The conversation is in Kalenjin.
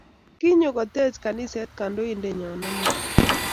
Kinyo kotech kaniset kandoindet nyon amut